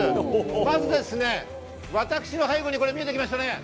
まずですね、私の背後に見えてきましたね。